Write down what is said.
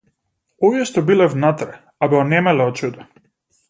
Овие што биле внатре, а бе онемеле од чудо.